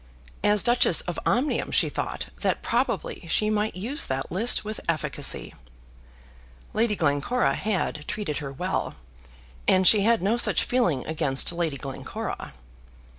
As Duchess of Omnium she thought that probably she might use that list with efficacy. Lady Glencora had treated her well, and she had no such feeling against Lady Glencora.